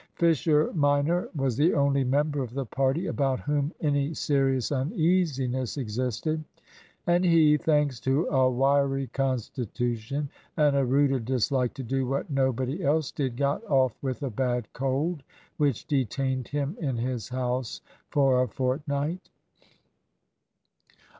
Fisher minor was the only member of the party about whom any serious uneasiness existed, and he, thanks to a wiry constitution and a rooted dislike to do what nobody else did, got off with a bad cold, which detained him in his house for a fortnight.